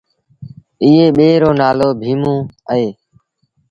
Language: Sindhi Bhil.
ائيٚݩ ٻي رو نآلو ڀيٚموݩ اهي۔